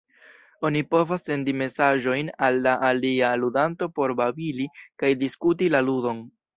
Oni povas sendi mesaĝojn al la alia ludanto por babili kaj diskuti la ludon.